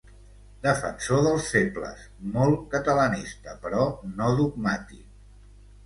Defensor dels febles, molt catalanista, però no dogmàtic.